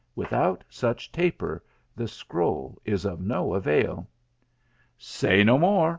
Without such taper the scroll is of no avail." " Say no more